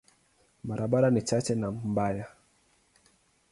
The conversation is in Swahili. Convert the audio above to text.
Barabara ni chache na mbaya.